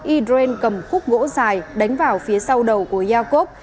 idren cầm khúc gỗ dài đánh vào phía sau đầu của iacob